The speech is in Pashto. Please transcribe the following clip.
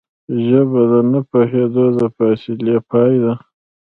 ژبه د نه پوهېدو د فاصلې پای ده